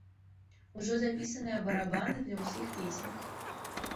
Ужо запісаныя барабаны для ўсіх песень.